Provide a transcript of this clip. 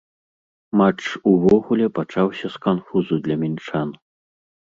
Матч увогуле пачаўся з канфузу для мінчан.